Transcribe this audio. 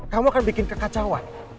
kamu akan bikin kekacauan